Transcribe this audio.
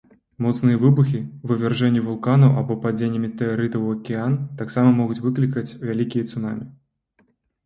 Моцныя выбухі, вывяржэнні вулканаў або падзенне метэарытаў у акіян таксама могуць выклікаць вялікія цунамі.